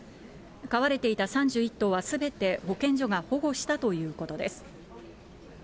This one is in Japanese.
飼われていた３１頭はすべて保健所が保護したということです。